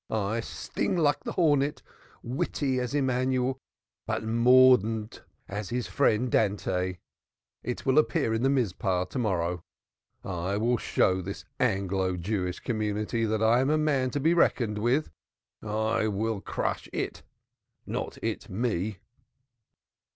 I sting like the hornet; witty as Immanuel, but mordant as his friend Dante. It will appear in the Mizpeh to morrow. I will show this Anglo Jewish community that I am a man to be reckoned with. I will crush it not it me."